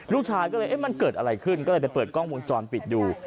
ลูกชายก็เลยเอ๊ะมันเกิดอะไรขึ้นก็เลยไปเปิดกล้องวงจรปิดดู